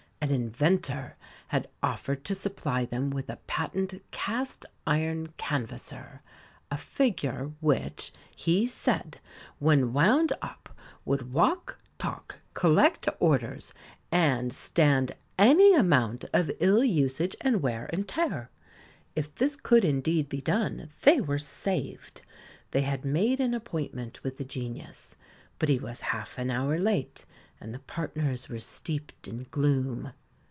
An inventor had offered to supply them with a patent cast iron canvasser a figure which (he said) when wound up would walk, talk, collect orders, and stand any amount of ill usage and wear and tear. If this could indeed be done, they were saved. They had made an appointment with the genius; but he was half an hour late, and the partners were steeped in gloom.